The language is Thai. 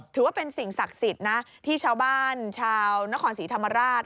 ถือว่าเป็นสิ่งศักดิ์สิทธิ์นะที่ชาวบ้านชาวนครศรีธรรมราช